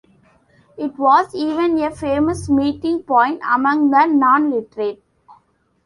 It was even a famous meeting point among the non-literate.